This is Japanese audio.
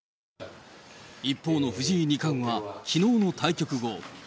一方の藤井二冠は、きのうの対局後。